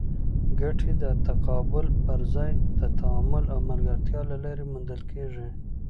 ګټې د تقابل پر ځای د تعامل او ملګرتیا له لارې موندل کېږي.